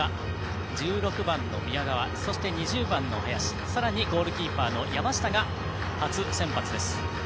１６番の宮川そして２０番の林さらにゴールキーパーの山下が初先発です。